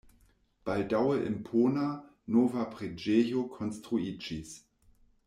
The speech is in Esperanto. Baldaŭe impona, nova preĝejo konstruiĝis.